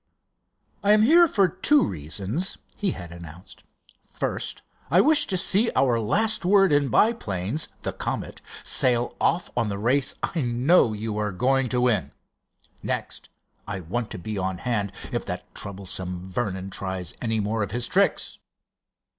"I am here for two reasons," he had announced. "First, I wish to see our last word in biplanes, the Comet, sail off on the race I know you are going to win. Next, I want to be on hand if that troublesome Vernon tries any more of his tricks."